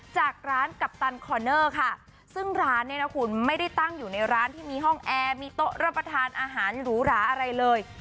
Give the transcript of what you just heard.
จากร้านกัปตันคอนเนอร์ค่ะซึ่งร้านเนี่ยนะคุณไม่ได้ตั้งอยู่ในร้านที่มีห้องแอร์มีโต๊ะรับประทานอาหารหรูหราอะไรเลย